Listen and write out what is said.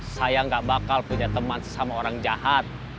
saya nggak bakal punya teman sama orang jahat